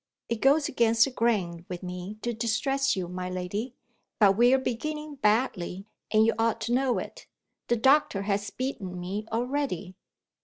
"It goes against the grain with me to distress you, my lady; but we are beginning badly, and you ought to know it. The doctor has beaten me already."